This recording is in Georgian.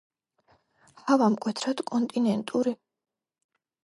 ჰავა მკვეთრად კონტინენტური.